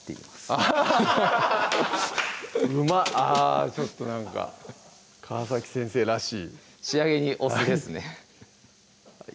あちょっとなんか川先生らしい仕上げにお酢ですね